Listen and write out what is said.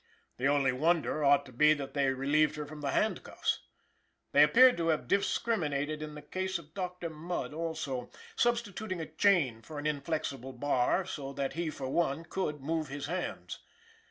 The only wonder ought to be that they relieved her from the hand cuffs. They appear to have discriminated in the case of Dr. Mudd also, substituting a chain for an inflexible bar so that he for one could move his hands.